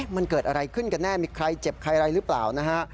มันเกิดอะไรขึ้นกันแน่มีใครเจ็บใครอะไรหรือเปล่านะฮะ